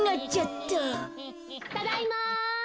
ただいま。